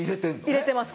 入れてます